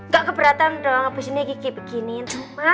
gak keberatan dong habis ini kiki bikinin